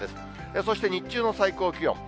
そして日中の最高気温。